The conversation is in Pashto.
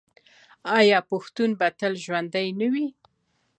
آیا پښتون به تل ژوندی نه وي؟